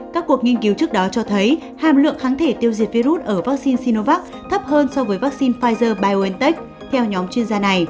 các cuộc nghiên cứu trước đó cho thấy hàm lượng kháng thể tiêu diệt virus ở vaccine sinovac thấp hơn so với vaccine pfizer biontech theo nhóm chuyên gia này